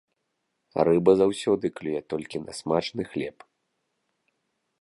Рыба заўсёды клюе толькі на смачны хлеб.